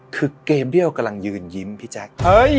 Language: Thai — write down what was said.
คือเกบรี่โอร์กำลังยืนยิ้มพี่แจ็ค